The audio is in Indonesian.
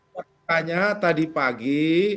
makanya tadi pagi